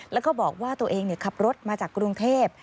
แล้วก็บอกว่าตัวเองขับรถมาจากกรุงเทพ